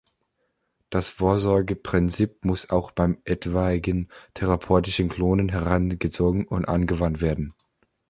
Das Vorsorgeprinzip muss auch beim etwaigen therapeutischen Klonen herangezogen und angewandt werden.